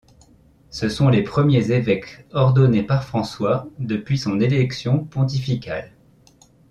Ce sont les premiers évêques ordonnés par François depuis son élection pontificale.